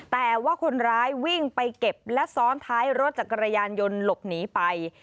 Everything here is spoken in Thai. แต่ว่าคนร้ายวิ่งไปเก็บและซ้อนท้ายรถจักรยานยนต์หลบหนีไป